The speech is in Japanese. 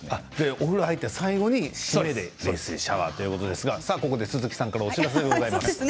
お風呂に入って最後に締めで冷水シャワーということですが、ここで鈴木さんからお知らせです。